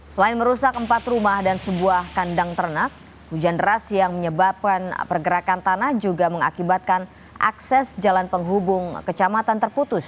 selain merusak empat rumah dan sebuah kandang ternak hujan deras yang menyebabkan pergerakan tanah juga mengakibatkan akses jalan penghubung kecamatan terputus